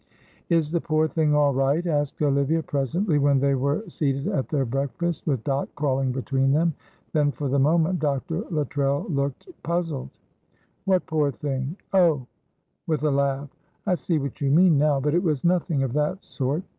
"Is the poor thing all right," asked Olivia presently, when they were seated at their breakfast, with Dot crawling between them. Then for the moment Dr. Luttrell looked puzzled. "What poor thing oh," with a laugh, "I see what you mean now, but it was nothing of that sort.